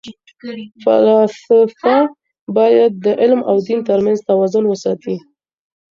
فلاسفه باید د علم او دین ترمنځ توازن وساتي.